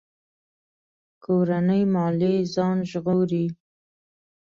کورنۍ ماليې ځان ژغوري.